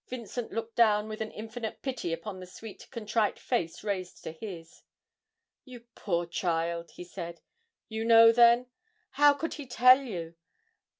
Vincent looked down with an infinite pity upon the sweet contrite face raised to his. 'You poor child,' he said, 'you know then? How could he tell you!